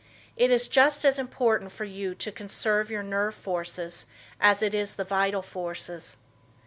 It is just as important for you to conserve your nervous forces as it is the vital forces.